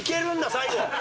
最後。